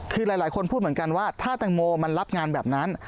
คือหลายคนพูดเหมือนกันว่าถ้าแตงโมมันรับงานแบบนั้น